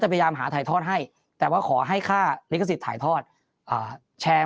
พยายามหาถ่ายทอดให้แต่ว่าขอให้ค่าลิขสิทธิ์ถ่ายทอดแชร์